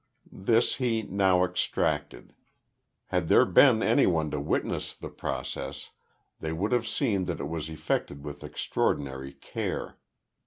This he now extracted. Had there been any one to witness the process, they would have seen that it was effected with extraordinary care.